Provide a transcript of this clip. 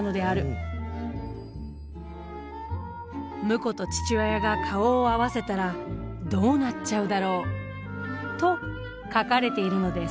「婿と父親が顔を合わせたらどうなっちゃうだろう」と書かれているのです。